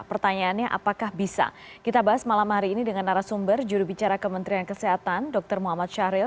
pertanyaannya apakah bisa kita bahas malam hari ini dengan arah sumber jurubicara kementerian kesehatan dr muhammad syahril